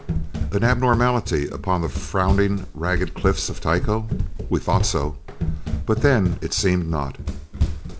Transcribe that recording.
An abnormality upon the frowning ragged cliffs of Tycho? We thought so. But then it seemed not.